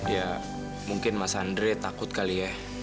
ya mungkin mas andre takut kali ya